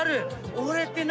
俺って何？